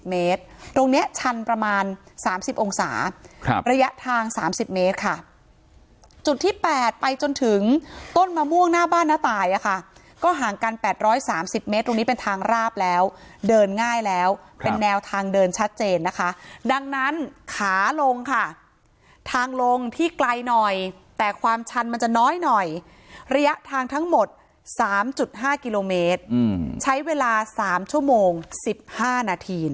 เมตรตรงนี้ชันประมาณ๓๐องศาระยะทาง๓๐เมตรค่ะจุดที่๘ไปจนถึงต้นมะม่วงหน้าบ้านน้าตายอะค่ะก็ห่างกัน๘๓๐เมตรตรงนี้เป็นทางราบแล้วเดินง่ายแล้วเป็นแนวทางเดินชัดเจนนะคะดังนั้นขาลงค่ะทางลงที่ไกลหน่อยแต่ความชันมันจะน้อยหน่อยระยะทางทั้งหมด๓๕กิโลเมตรใช้เวลา๓ชั่วโมง๑๕นาที